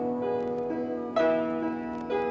mbak desi nyanyi